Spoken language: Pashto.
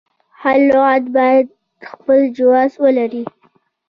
هر لغت باید خپل جواز ولري.